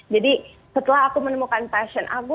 jadi setelah aku menemukan passion aku